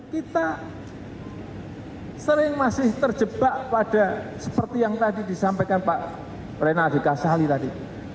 kita sering masih terjebak pada seperti yang tadi disampaikan pak renaldika sali tadi